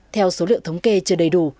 theo số liệu thống kê chưa đầy đủ